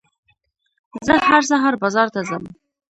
زه هر سهار بازار ته ځم.